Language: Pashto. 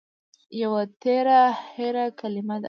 يوه تېره هېره کلمه ده